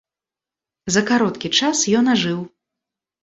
За кароткі час ён ажыў.